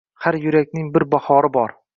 Har yurakning bir bahori bor